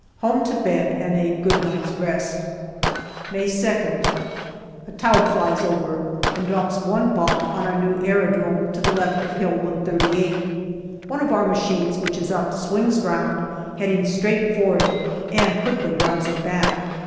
Home to bed and a good night's rest. May 2nd. A Taube flies over and drops one bomb on our new aerodrome to the left of Hill 138. One of our machines which is up swings round, heading straight for it, and quickly drives it back.